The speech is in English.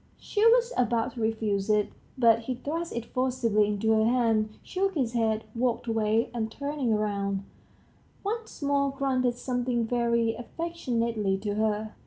She was about to refuse it, but he thrust it forcibly into her hand, shook his head, walked away, and turning round, once more grunted something very affectionately to her.